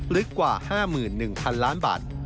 ลึกกว่า๕๑๐๐๐ล้านบาท